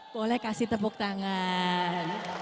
boleh kasih tepuk tangan